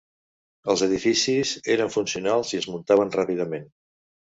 Els edificis eren funcionals i es muntaven ràpidament.